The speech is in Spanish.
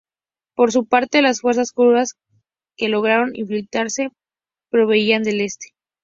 Por su parte, las fuerzas kurdas que lograron infiltrarse provenían del este.